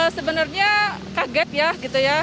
sebenarnya kaget ya gitu ya